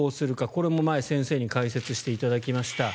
これも前、先生に解説していただきました。